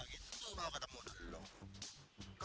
jauh udah balik